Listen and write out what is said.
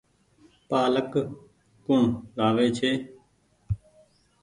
پآلڪ ڪوڻ لآوي ڇي۔